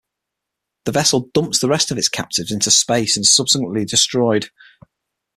The vessel dumps the rest of its captives into space and is subsequently destroyed.